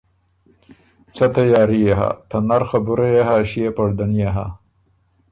څه تیاري يې هۀ ته نر خبُره يې هۀ، ݭيې پړده ن يې هۀ“